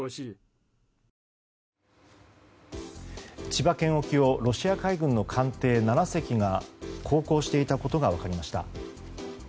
千葉県沖をロシア海軍の艦艇７隻が航行していたことが分かりました。